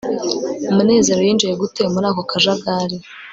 munezero yinjiye gute muri ako kajagari